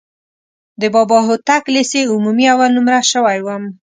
د بابا هوتک لیسې عمومي اول نومره شوی وم.